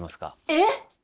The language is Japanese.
えっ？